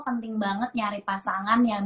penting banget nyari pasangan yang